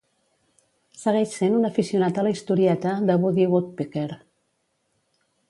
Segueix sent un aficionat a la historieta de Woody Woodpecker.